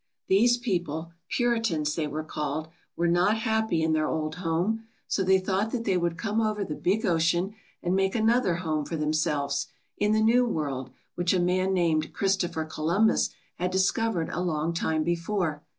These people, Puritans they were called, were not happy in their old home, so they thought that they would come over the big ocean and make another home for themselves, in the new world, which a man named Christopher Columbus had discovered a long time before.